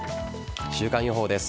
週間予報です。